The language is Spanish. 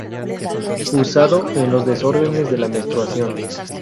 Usado en los desórdenes de la menstruación.